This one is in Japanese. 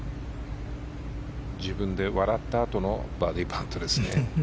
自分で笑ったあとのバーディーパットですね。